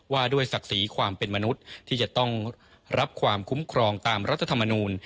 ว่าด้วยศักดิ์ศรีความเป็นมนุษย์ที่จะต้องรับความคุ้มครองตามรัฐธรรมนูล